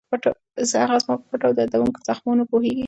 هغه زما په پټو او دردوونکو زخمونو پوهېږي.